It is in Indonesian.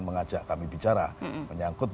mengajak kami bicara menyangkut